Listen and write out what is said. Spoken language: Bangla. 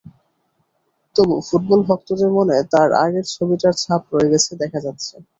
তবু ফুটবল ভক্তদের মনে তাঁর আগের ছবিটার ছাপ রয়ে গেছে দেখা যাচ্ছে।